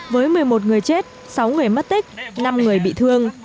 với một mươi một người chết sáu người mất tích năm người bị thương